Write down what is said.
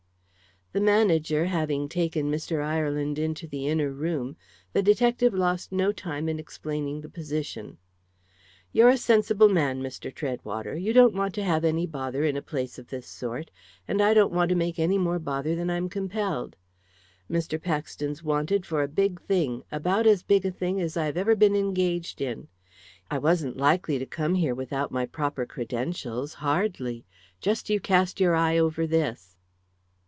The manager, having taken Mr. Ireland into the inner room, the detective lost no time in explaining the position. "You're a sensible man, Mr. Treadwater. You don't want to have any bother in a place of this sort, and I don't want to make any more bother than I'm compelled. Mr. Paxton's wanted for a big thing, about as big a thing as I've ever been engaged in. I wasn't likely to come here without my proper credentials, hardly. Just you cast your eye over this."